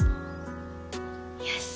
よし！